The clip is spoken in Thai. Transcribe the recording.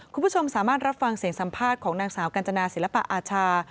คุณผู้ชมสามารถรับฟังเสียงสัมภาษณ์ของนางสาวกัญจนาศิลปะอาชา